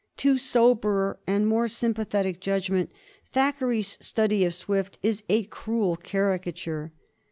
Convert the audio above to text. To soberer and more sympathetic judgment Thackeray's study of Swift is a cruel caricature.